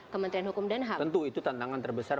kementerian hukum dan ham tentu itu tantangan terbesar